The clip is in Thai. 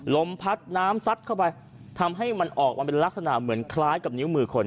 ลมพัดน้ำซัดเข้าไปทำให้มันออกมาเป็นลักษณะเหมือนคล้ายกับนิ้วมือคน